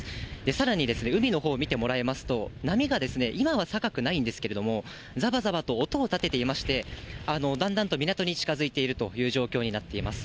さらに海のほう見てもらいますと、波が今は高くないんですけれども、ざばざばと音を立てていまして、だんだんと港に近づいているという状況になっています。